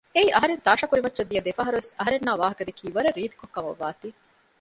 އެއީ އަހަރެން ތާޝާ ކުރިމައްޗައް ދިޔަ ދެފަހަރުވެސް އަހަރެންނާއި ވާހަކަ ދެއްކީ ވަރަށް ރީތިކޮށް ކަމައްވާތީ